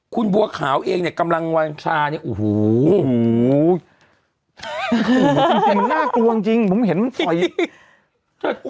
คุณบัวขาวเองเนี่ยกำลังวางชาเนี่ยโอ้โหจริงมันน่ากลัวจริงผมเห็นมันถอย